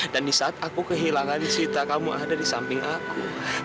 dan di saat aku kehilangan cinta kamu ada di samping aku